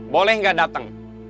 boleh nggak dateng